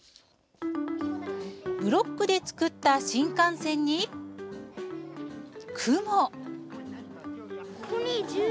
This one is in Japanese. ブロックで作った新幹線にクモ。